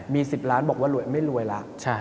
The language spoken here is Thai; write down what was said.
มี๑๐ล้านบอกว่าไม่รวยละ